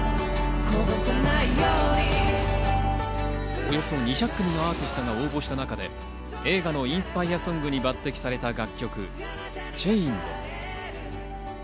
およそ２００組のアーティストが応募した中で映画のインスパイアソングに抜擢された楽曲、『Ｃｈａｉｎｅｄ』。